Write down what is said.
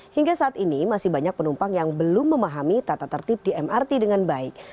hingga saat ini masih banyak penumpang yang belum memahami tata tertib di mrt dengan baik